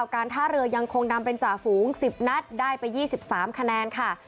การท่าเรือยังคงนำเป็นจ่าฝูง๑๐นัดได้ไป๒๓คะแนนค่ะ